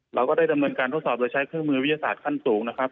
เราก็ได้ดำเนินการทดสอบโดยใช้เครื่องมือวิทยาศาสตร์ขั้นสูงนะครับ